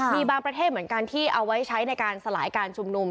มีบางประเทศเหมือนกันที่เอาไว้ใช้ในการสลายการชุมนุม